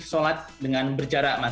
sholat dengan berjarak mas